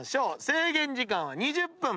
制限時間は２０分。